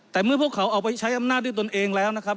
แต่เมื่อพวกเขาออกไปใช้อำนาจด้วยตนเองแล้วนะครับ